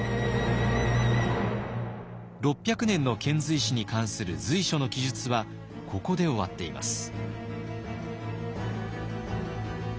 ６００年の遣隋使に関する「隋書」の記述はここで終わっています。